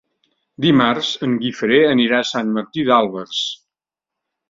Dimarts en Guifré anirà a Sant Martí d'Albars.